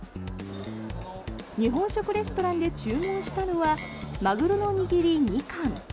日本食レストランで注文したのはマグロの握り２貫。